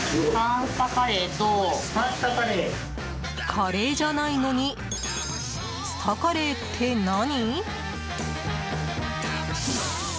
カレーじゃないのにスタカレーって何？